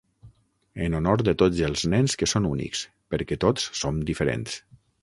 En honor de tots els nens que són únics, perquè tots som diferents.